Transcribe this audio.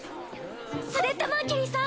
・スレッタ・マーキュリーさん！